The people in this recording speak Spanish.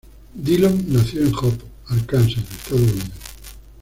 Dillon nació en Hope, Arkansas, Estados Unidos.